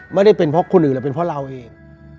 ไม่ได้เป็นเพราะคนอื่นหรือเป็นเพราะเราเอง